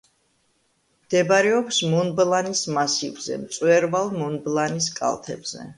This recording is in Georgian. მდებარეობს მონბლანის მასივზე, მწვერვალ მონბლანის კალთებზე.